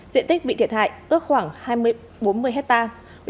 diện tích bị thiệt hại ước khoảng hai mươi bốn mươi hectare